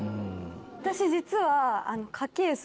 私実は。